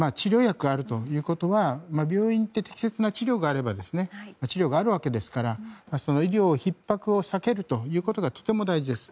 治療薬があるということは病院に行って適切な治療があれば治療があるわけですから医療ひっ迫を避けることがとても大事です。